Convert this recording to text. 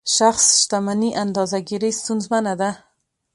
شخص شتمني اندازه ګیري ستونزمنه ده.